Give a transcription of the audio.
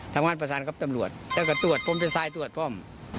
ทำงานประสานกับตำรวจแล้วก็ตรวจผมเป็นสายตรวจป้อม